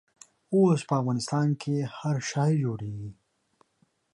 اوس په افغانستان کښې هر شی جوړېږي.